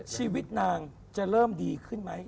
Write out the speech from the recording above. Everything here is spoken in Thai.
ชีวิตนางจะเริ่มดีขึ้นไหม